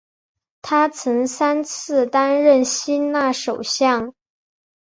他曾三次担任希腊首相。